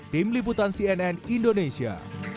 tim liputan cnn indonesia